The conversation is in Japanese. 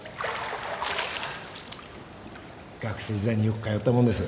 学生時代によく通ったもんです。